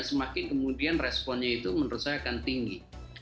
semakin kemudian responnya itu menurut saya akan tinggi